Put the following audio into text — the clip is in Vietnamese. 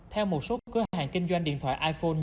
theo một số cơ hội hàng kinh doanh điện thoại iphone